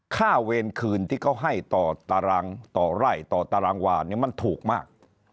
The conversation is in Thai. เวรคืนที่เขาให้ต่อตารางต่อไร่ต่อตารางวาเนี่ยมันถูกมาก